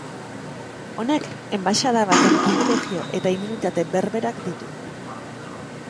Honek, enbaxada baten pribilegio eta immunitate berberak ditu.